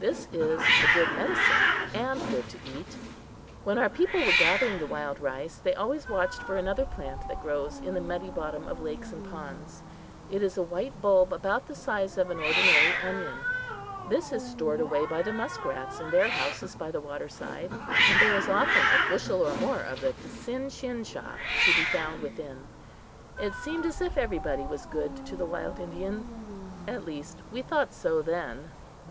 This is a good medicine and good to eat. When our people were gathering the wild rice, they always watched for another plant that grows in the muddy bottom of lakes and ponds. It is a white bulb about the size of an ordinary onion. This is stored away by the muskrats in their houses by the waterside, and there is often a bushel or more of the psinchinchah to be found within. It seemed as if everybody was good to the wild Indian; at least we thought so then.